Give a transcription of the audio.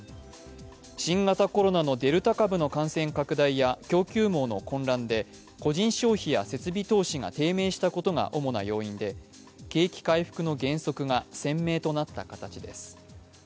新型コロナのデルタ株の感染拡大や供給網の混乱で個人消費や設備投資が低迷したことが主な要因で景気回復の減速が鮮明となった形です。